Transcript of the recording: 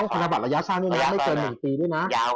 ต้องพันธบัตรระยะสั้นไม่เจอ๑ปีด้วยนะ